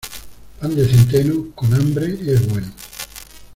Pan de centeno, con hambre es bueno.